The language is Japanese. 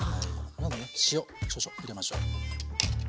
まずね塩少々入れましょう。